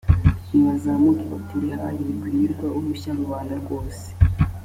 nibazamuke batere hayi! wikwirirwa urushya rubanda rwose.